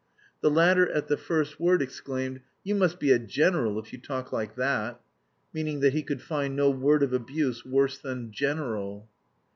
The latter at the first word exclaimed, "You must be a general if you talk like that," meaning that he could find no word of abuse worse than "general."